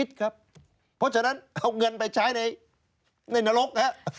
เพราะฉะนั้นเอาเงินไปใช้ในนรก